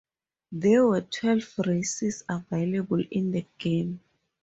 There were twelve races available in the game.